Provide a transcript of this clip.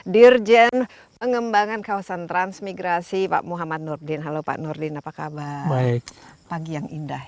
dirjen pengembangan kawasan transmigrasi pak muhammad nurdin halo pak nurdin apa kabar baik